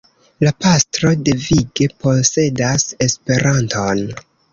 La pastro devige posedas Esperanton.